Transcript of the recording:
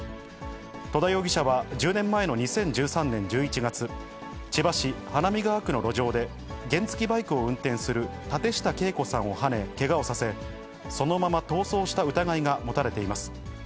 戸田容疑者は１０年前の２０１３年１１月、千葉市花見川区の路上で、原付きバイクを運転する舘下敬子さんをはねけがをさせ、そのまま逃走した疑いが持たれています。